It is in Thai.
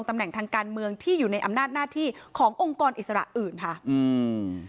ตำแหน่งทางการเมืองที่อยู่ในอำนาจหน้าที่ขององค์กรอิสระอื่นค่ะอืม